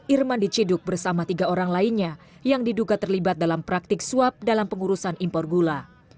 irman diciduk bersama tiga orang lainnya yang diduga terlibat dalam praktik suap dalam pengurusan impor gula